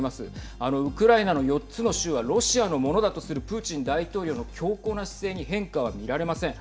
あのウクライナの４つの州はロシアのものだとするプーチン大統領の強硬な姿勢に変化は見られません。